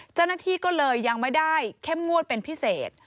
เจ้าหน้าที่ก็เลยยังไม่ได้เข้มงวดเป็นพิเศษ